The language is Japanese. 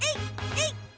えい！